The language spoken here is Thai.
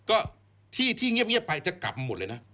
ก็ที่ที่เงียบไปจะกลับมาหมดเลยนะ